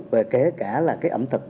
về kể cả là cái ẩm thực